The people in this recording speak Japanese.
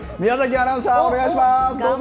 アナウンサー、お願いします、どうぞ。